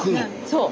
そう。